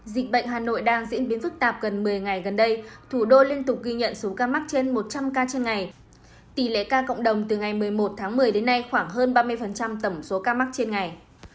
dịch bệnh hà nội đang diễn biến phức tạp gần một mươi ngày gần đây thủ đô liên tục ghi nhận số ca mắc trên một trăm linh ca trên ngày tỷ lệ ca cộng đồng từ ngày một mươi một tháng một mươi đến nay khoảng hơn ba mươi tổng số ca mắc trên ngày